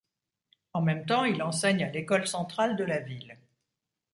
En même temps, il enseigne à l'école centrale de la ville.